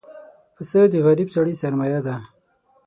پسه د غریب سړي سرمایه ده.